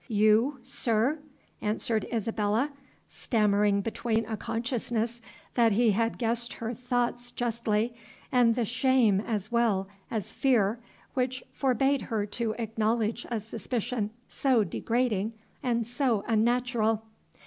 "You, sir?" answered Isabella, stammering between a consciousness that he had guessed her thoughts justly, and the shame as well as fear which forbade her to acknowledge a suspicion so degrading and so unnatural.